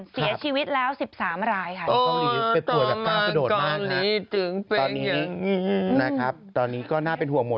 เสียชีวิตแล้ว๑๓รายค่ะโอ้โฮต่อมาเกาหลีถึงเป็นอย่างนี้นะครับตอนนี้ก็น่าเป็นห่วงหมด